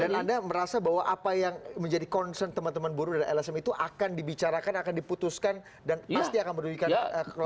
dan anda merasa bahwa apa yang menjadi concern teman teman buru dari lsm itu akan dibicarakan akan diputuskan dan pasti akan merudikan kelompok kelompok